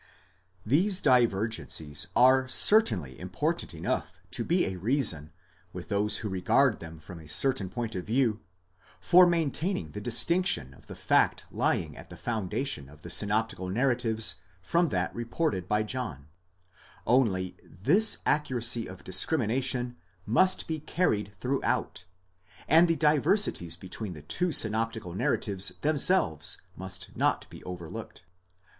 } These divergencies are certainly important enough to be a reason, with those who regard them from a certain point of view, for maintaining the dis tinction of the fact lying at the foundation of the synoptical narratives from that reported by John: only this accuracy of discrimination must be carried throughout, and the diversities between the two synoptical narratives them selves must not be overlooked.